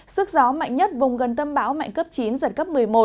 sức gió mạnh nhất vùng gần tâm bão mạnh cấp chín giật cấp một mươi một